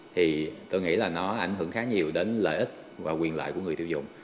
thì tôi nghĩ là nó ảnh hưởng khá nhiều đến lợi ích và quyền lợi của người tiêu dùng